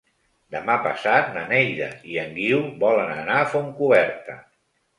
Demà passat na Neida i en Guiu volen anar a Fontcoberta.